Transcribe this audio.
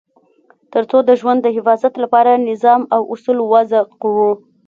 تر څو د ژوند د حفاظت لپاره نظام او اصول وضع کړو.